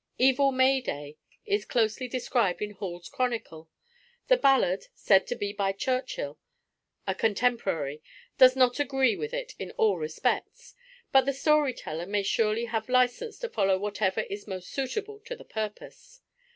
Evil May Day is closely described in Hall's Chronicle. The ballad, said to be by Churchill, a contemporary, does not agree with it in all respects; but the story teller may surely have license to follow whatever is most suitable to the purpose.